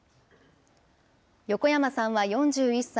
横山さんは４１歳。